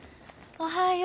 おはよう。